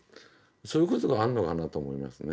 そういうことがあるのかなと思いますね。